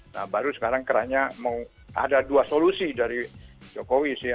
nah baru sekarang kerahnya mau ada dua solusi dari jokowi sih